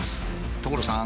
所さん！